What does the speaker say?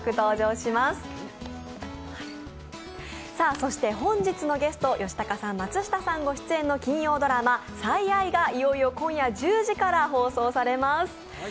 そして本日のゲスト、吉高さん、松下さんご出演の金曜ドラマ「最愛」がいよいよ今夜１０時から放送されます。